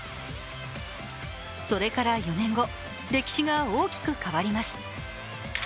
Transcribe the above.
それから４年後、歴史が大きく変わります。